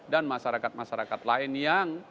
dan masyarakat masyarakat lain yang